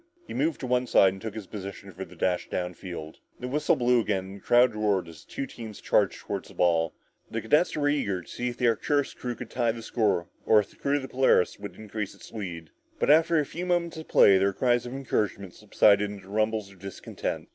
He moved to one side and took his position for the dash down field. The whistle blew again and the crowd roared as the two teams charged toward the ball. The cadets were eager to see if the Arcturus crew could tie the score or if the crew of the Polaris would increase its lead. But after a few moments of play, their cries of encouragement subsided into rumbles of discontent.